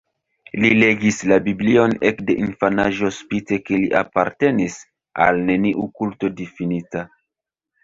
Li legis la Biblion ekde infanaĝo spite ke li apartenis al neniu kulto difinita.